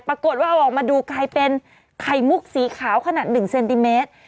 ปรากฏว่าเอาออกมาดูกลายเป็นไข่มุกสีขาวขนาด๑เซนติเมตร